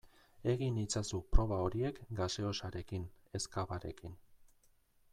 Egin itzazu proba horiek gaseosarekin ez cavarekin.